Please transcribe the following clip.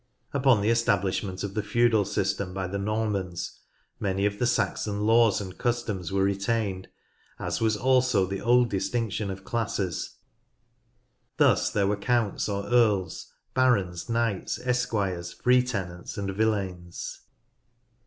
Upon the establishment of the feudal system by the Normans many of the Saxon laws and customs were retained, as was also the old distinction of classes. Thus there were counts or earls, barons, knights, esquires, free tenants, and villeins.